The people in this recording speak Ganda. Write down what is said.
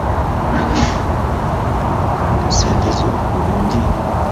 Omuntu ayinza kukwata ate ssente ze obulungi?